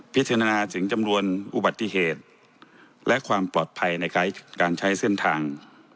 พิจารณาถึงจำนวนอุบัติเหตุและความปลอดภัยในการใช้เส้นทาง